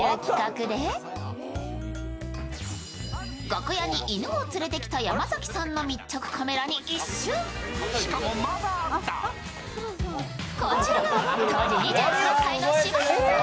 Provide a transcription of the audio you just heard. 楽屋に犬を連れてきた山崎さんの密着カメラに一瞬、こちらが当時２３歳の柴田さん。